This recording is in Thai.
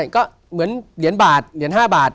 ก็เหมือนเหรียญบาทเหรียญ๕บาท